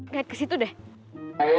naik ke situ deh